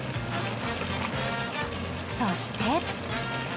そして。